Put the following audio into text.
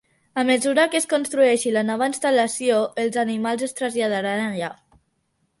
A mesura que es construeixi la nova instal·lació, els animals es traslladaran allà.